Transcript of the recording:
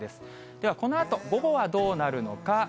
では、このあと、午後はどうなるのか。